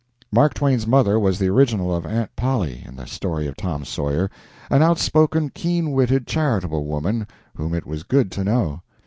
Mark Twain's mother was the original of Aunt Polly in the story of Tom Sawyer, an outspoken, keen witted, charitable woman, whom it was good to know.